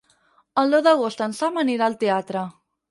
El deu d'agost en Sam anirà al teatre.